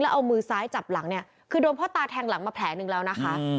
เอามือซ้ายจับหลังเนี่ยคือโดนพ่อตาแทงหลังมาแผลหนึ่งแล้วนะคะ